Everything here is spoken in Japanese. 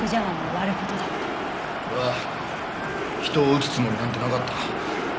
俺は人を撃つつもりなんてなかった。